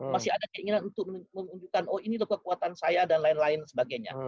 masih ada keinginan untuk menunjukkan oh ini loh kekuatan saya dan lain lain sebagainya